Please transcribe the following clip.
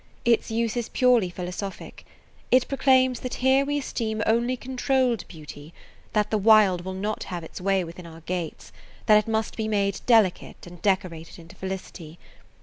Its use is purely philosophic; it proclaims that here we esteem only controlled beauty, that the wild will not have [Page 110] its way within our gates, that it must be made delicate and decorated into felicity.